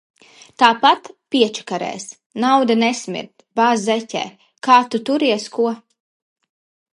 Tāpat piečakarēs. Nauda nesmird. Bāz zeķē. Kā tu turies, ko?